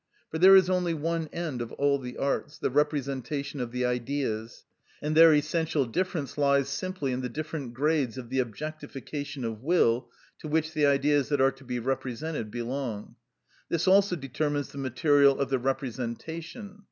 For there is only one end of all the arts, the representation of the Ideas; and their essential difference lies simply in the different grades of the objectification of will to which the Ideas that are to be represented belong. This also determines the material of the representation.